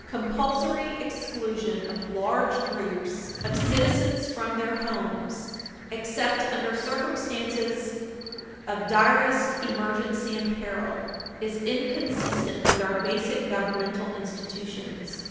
Compulsory Page 323 U. S. 220 exclusion of large groups of citizens from their homes, except under circumstances of direst emergency and peril, is inconsistent with our basic governmental institutions.